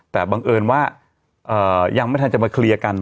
แต่บังเอิญว่ายังไม่ทันจะมาเคลียร์กัน